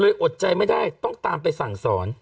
อดใจไม่ได้ต้องตามไปสั่งสอน